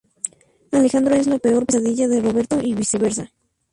Alejandro es la peor pesadilla de Roberto y viceversa.